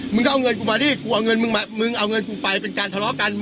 ต้องเอาเงินกูมาดิกูเอาเงินมึงมามึงเอาเงินกูไปเป็นการทะเลาะกัน